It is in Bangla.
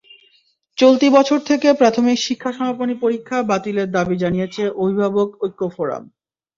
চলতি বছর থেকে প্রাথমিক শিক্ষা সমাপনী পরীক্ষা বাতিলের দাবি জানিয়েছে অভিভাবক ঐক্য ফোরাম।